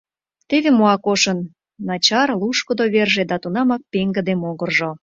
Теве мо Акошын начар-лушкыдо верже да тунамак пеҥгыде могыржо.